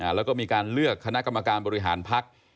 แล้วก็มีการเลือกคณะกรรมการบริหารพัก